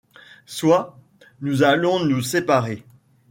Soit. Nous allons nous séparer.